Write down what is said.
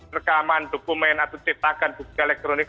rekaman dokumen atau cetakan bukti elektronik